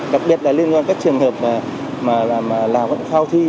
đặc biệt là liên quan các trường hợp mà làm kháu thi